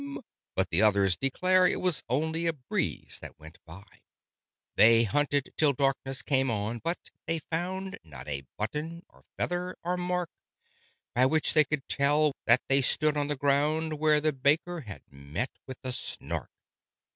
but the others declare It was only a breeze that went by. They hunted till darkness came on, but they found Not a button, or feather, or mark, By which they could tell that they stood on the ground Where the Baker had met with the Snark.